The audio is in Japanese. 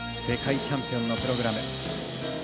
世界チャンピオンのプログラム。